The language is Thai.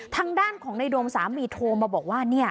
ทางด้านของในโดมสามีโทรมาบอกว่า